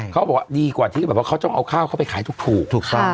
เขาบอกดีกว่าต้องเอาข้าวเข้าไปถูก